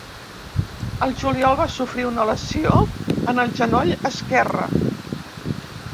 El juliol va sofrir una lesió en el genoll esquerre.